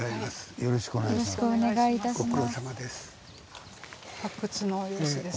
よろしくお願いします。